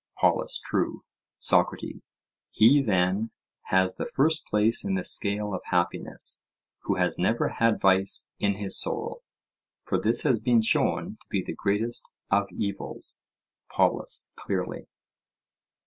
POLUS: True. SOCRATES: He, then, has the first place in the scale of happiness who has never had vice in his soul; for this has been shown to be the greatest of evils. POLUS: Clearly.